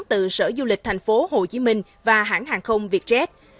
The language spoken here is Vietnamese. từ sở du lịch tp hcm và hãng hàng không vietjet